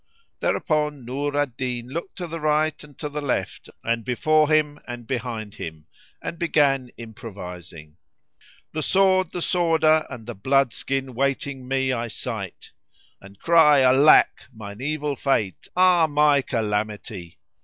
Thereupon Nur al Din looked to the right and to the left, and before him and behind him and began improvising, "The sword, the sworder and the blood skin waiting me I sight, * And cry, Alack, mine evil fate! ah, my calamity!